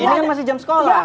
ini kan masih jam sekolah